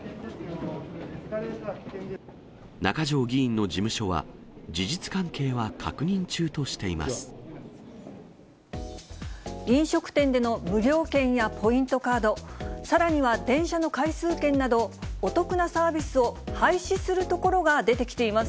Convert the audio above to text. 中条議員の事務所は、飲食店での無料券やポイントカード、さらには電車の回数券など、お得なサービスを廃止するところが出てきています。